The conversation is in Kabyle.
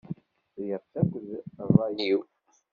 Friɣ-tt akked rray-iw.